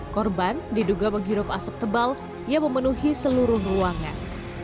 korban diduga menghirup asap tebal yang memenuhi seluruh ruangan